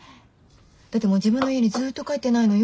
だってもう自分の家にずっと帰ってないのよ。